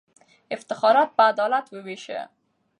افتخارات په عدالت ووېشه.